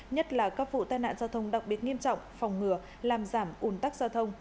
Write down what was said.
nhất là các vụ tai nạn giao thông đặc biệt nghiêm trọng phòng ngừa làm giảm ủn tắc giao thông